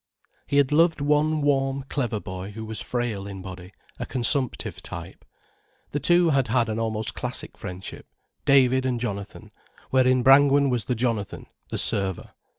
He had loved one warm, clever boy who was frail in body, a consumptive type. The two had had an almost classic friendship, David and Jonathan, wherein Brangwen was the Jonathan, the server.